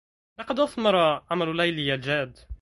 لقد أثمر عمل ليلى الجاد.